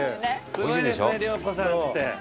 すごいですね良子さんって。